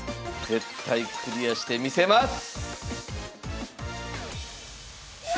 絶対クリアしてみせます！